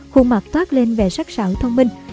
khuôn mặt toát lên vẻ sắc sảo thông minh